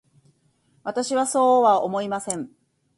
私はそうは思いません。